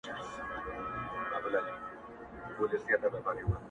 په يو ځاي ده ميـــــــــنې نه تـــــم کيـږې کشلي